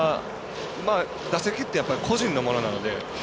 打席ってやっぱり個人のものなので。